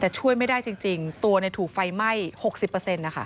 แต่ช่วยไม่ได้จริงตัวเนี่ยถูกไฟไหม้หกสิบเปอร์เซ็นต์นะคะ